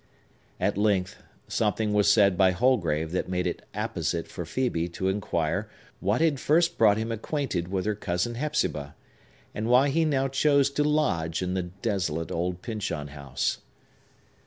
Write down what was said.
At length, something was said by Holgrave that made it apposite for Phœbe to inquire what had first brought him acquainted with her cousin Hepzibah, and why he now chose to lodge in the desolate old Pyncheon House.